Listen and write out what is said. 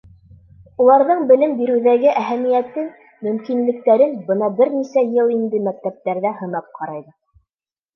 Уларҙың белем биреүҙәге әһәмиәтен, мөмкинлектәрен бына бер нисә йыл инде мәктәптәрҙә һынап ҡарайбыҙ.